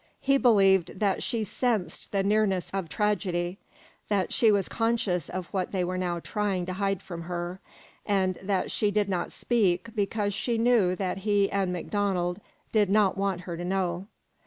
He believed that she sensed the nearness of tragedy, that she was conscious of what they were now trying to hide from her, and that she did not speak because she knew that he and MacDonald did not want her to know.